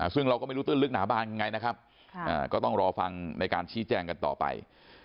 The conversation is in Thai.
ซึ่งเราก็ไม่รู้ตื้นลึกหนาบานยังไงนะครับก็ต้องรอฟังในการชี้แจงกันต่อไป